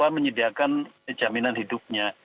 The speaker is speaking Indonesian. menyediakan jaminan hidupnya